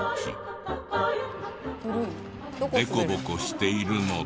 デコボコしているので。